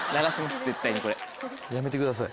やめてください。